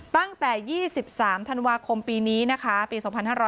ตั้งแต่๒๓ธันวาคมปีนี้นะคะปี๒๕๕๙